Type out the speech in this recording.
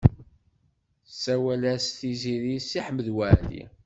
Tsawel-as Tiziri i Si Ḥmed Waɛli.